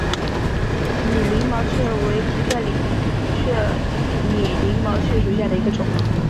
拟鳞毛蕨为蹄盖蕨科拟鳞毛蕨属下的一个种。